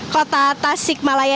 kota tasik malaya